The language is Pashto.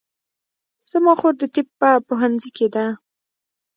زما خور د طب په پوهنځي کې ده